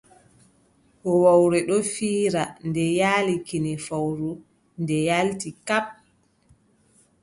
Hoowowre ɗon fiira, nde yaali kine fowru, nde yaalti. Kap!